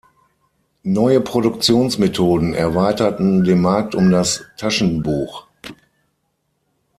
Neue Produktionsmethoden erweiterten den Markt um das Taschenbuch.